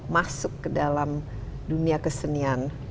masuk ke dalam dunia kesenian